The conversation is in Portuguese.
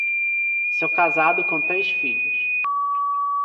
Sou casado com três filhos